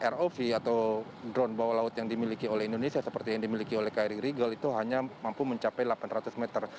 rov atau drone bawah laut yang dimiliki oleh indonesia seperti yang dimiliki oleh kri regal itu hanya mampu mencapai delapan ratus meter